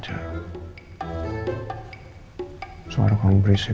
dia pasti bakal banyak banget kesibukannya